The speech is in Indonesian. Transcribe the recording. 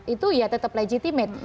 itu ya tetap legitimen